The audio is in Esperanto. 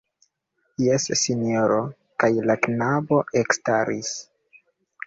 Jes, sinjoro, kaj la knabo ekstaris.